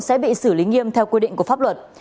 sẽ bị xử lý nghiêm theo quy định của pháp luật